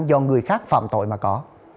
do người khác phạm tội mà có